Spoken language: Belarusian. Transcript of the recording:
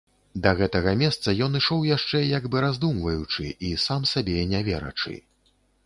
Да гэтага месца ён ішоў яшчэ, як бы раздумваючы і сам сабе не верачы.